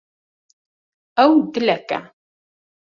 Ew dilek e.